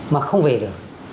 mà không về được